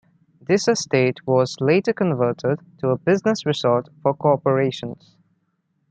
This estate was later converted to a business resort for corporations.